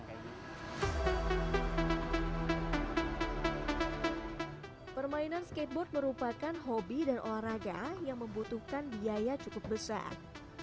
permainan skateboard merupakan hobi dan olahraga yang membutuhkan biaya cukup besar